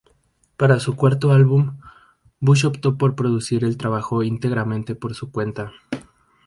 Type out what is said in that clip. Para su cuarto álbum, Bush optó por producir el trabajo íntegramente por su cuenta.